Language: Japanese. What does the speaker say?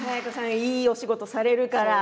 いいお仕事されるから。